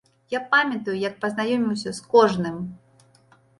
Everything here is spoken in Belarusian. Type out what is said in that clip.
Я памятаю, як пазнаёміўся з кожным!